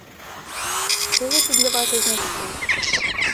Што гэта для вас азначае?